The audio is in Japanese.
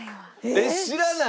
えっ知らない？